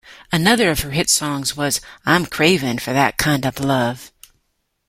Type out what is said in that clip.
Another of her hit songs was "I'm Cravin' for that Kind of Love".